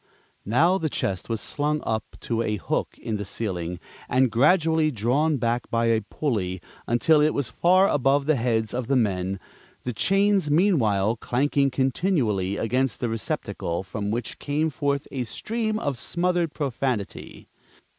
Now the chest was slung up to a hook in the ceiling, and gradually drawn back by a pulley until it was far above the heads of the men, the chains meanwhile clanking continually against the receptacle, from which came forth a stream of smothered profanity.